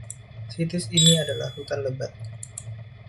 Situs ini adalah hutan lebat.